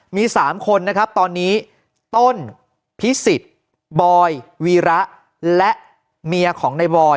มี๓คนนะครับตอนนี้ต้นพิสิทธิ์บอยวีระและเมียของในบอย